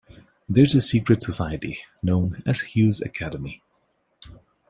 There is a secret society known as Hughes Academy.